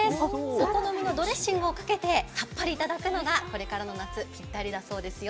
お好みのドレッシングをかけてさっぱりいただくのがこれからの夏ぴったりだそうですよ。